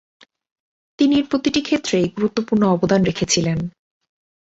তিনি এর প্রতিটি ক্ষেত্রেই গুরুত্বপূর্ণ অবদান রেখেছিলেন।